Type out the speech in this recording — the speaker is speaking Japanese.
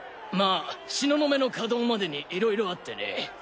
まあ東雲の稼働までにいろいろあってね。